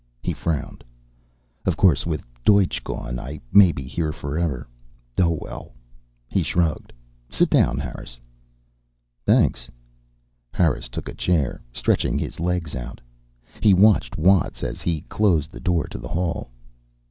He frowned. "Of course, with Deutsch gone, I may be here forever. Oh, well." He shrugged. "Sit down, Harris." "Thanks." Harris took a chair, stretching his legs out. He watched Watts as he closed the door to the hall.